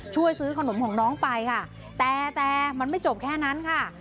ช่วยซื้อขนมของน้องไปค่ะแต่แต่มันไม่จบแค่นั้นค่ะ